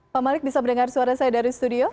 pak malik bisa mendengar suara saya dari studio